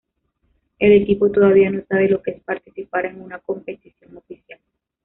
El equipo todavía no sabe lo que es participar en una competición oficial.